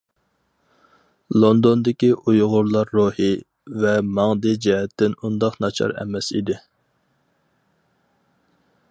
لوندوندىكى ئۇيغۇرلار روھىي ۋە ماڭدى جەھەتتىن ئۇنداق ناچار ئەمەس ئىدى.